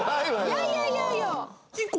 いやいやいやいや！